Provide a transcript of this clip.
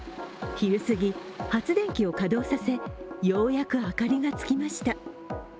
昼過ぎ、発電機を稼働させようやく明かりがつきました。